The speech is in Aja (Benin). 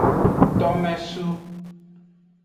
Tomesu.